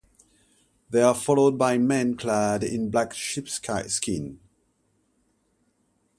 They are followed by men clad in black sheepskins.